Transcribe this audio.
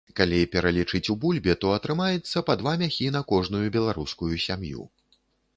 Калі пералічыць у бульбе, то атрымаецца па два мяхі на кожную беларускую сям'ю.